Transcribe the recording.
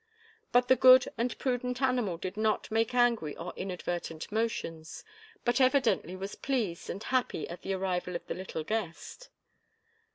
But the good and prudent animal did not make angry or inadvertent motions, but evidently was pleased and happy at the arrival of the little guest.